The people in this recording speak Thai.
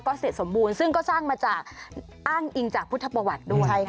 เสร็จสมบูรณ์ซึ่งก็สร้างมาจากอ้างอิงจากพุทธประวัติด้วย